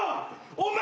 お前。